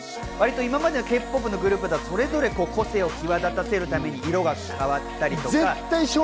今までのＫ−ＰＯＰのグループは、それぞれ個性を際立たせるために色が変わったり。